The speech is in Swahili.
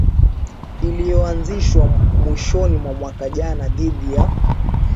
iliyoanzishwa mwishoni mwa mwaka jana dhidi ya